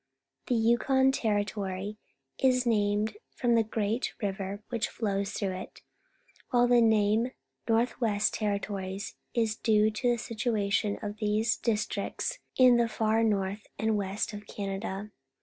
The Yukon Territory is named from the great river which flows through it, while the name Nort lnvest Terri tories^ is due to the situation of these dis tricts in the far north and west of Canada.